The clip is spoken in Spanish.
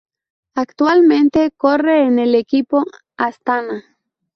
Actualmente corre en el equipo Astana.